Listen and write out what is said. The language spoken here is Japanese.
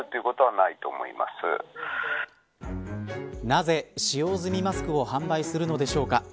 なぜ使用済みマスクを販売するのでしょうか。